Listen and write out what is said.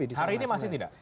hari ini masih tidak